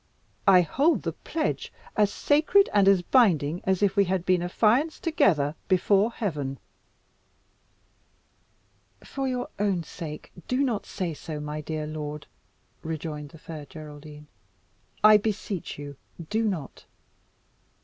I hold the pledge as sacred and as binding as if we had been affianced together before Heaven." "For your own sake, do not say so, my dear lord," rejoined the Fair Geraldine; "I beseech you, do not.